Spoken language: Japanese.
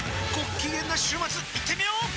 きげんな週末いってみよー！